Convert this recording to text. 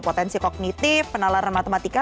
potensi kognitif penalaran matematika